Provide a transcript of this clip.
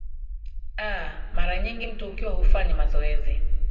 a mara nyingi mtu ukiwa hufanyi mazoezi